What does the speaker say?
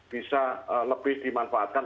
bisa lebih dimanfaatkan